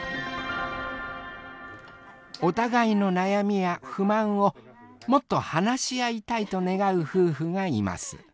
お互いの悩みや不満をもっと話し合いたいと願う夫婦がいます。